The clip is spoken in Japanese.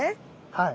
はい。